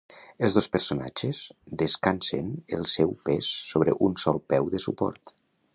Els dos personatges descansen el seu pes sobre un sol peu de suport.